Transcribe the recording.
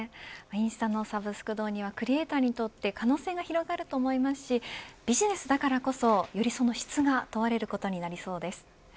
インスタのサブスク導入はクリエイターにとって可能性が広がると思いますしビジネスだからこそよりその質が問われることになりそうです。